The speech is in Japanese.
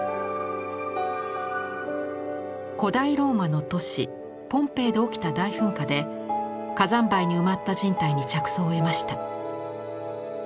古代ローマの都市ポンペイで起きた大噴火で火山灰に埋まった人体に着想を得ました。